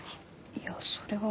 いやそれは。